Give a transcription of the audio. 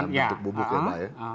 ini sudah dalam bentuk bubuk ya pak ya